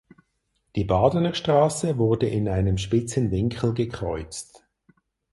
Die Badenerstrasse wurde in einem spitzen Winkel gekreuzt.